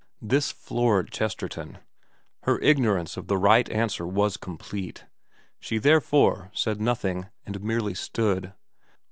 This floored Chesterton. Her ignorance of the right answer was complete. She therefore said nothing, and merely stood.